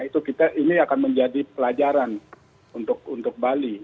ini akan menjadi pelajaran untuk bali